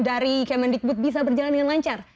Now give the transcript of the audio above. dari kemendikbud bisa berjalan dengan lancar